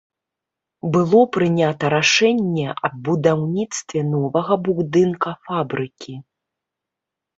Было прынята рашэнне аб будаўніцтве новага будынка фабрыкі.